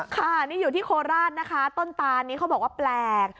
ค่ะนี่อยู่ที่โคราชนะคะต้นตานนี้เขาบอกว่าแปลก